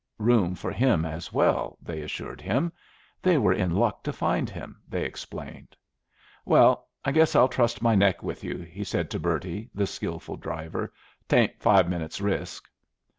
Room for him as well, they assured him; they were in luck to find him, they explained. "Well, I guess I'll trust my neck with you," he said to Bertie, the skillful driver; "'tain't five minutes' risk."